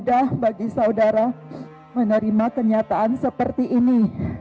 mudah bagi saudara menerima kenyataan seperti ini